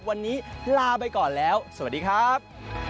วันนี้ลาไปก่อนแล้วสวัสดีครับ